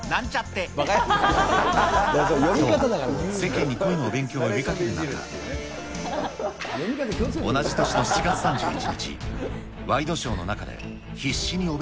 と、世間に恋の勉強を呼びかける中、同じ年の７月３１日、ワイドショーの中で、頑張るぞー！